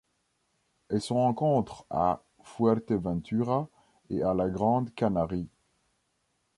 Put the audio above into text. Elle se rencontre à Fuerteventura et à la Grande Canarie.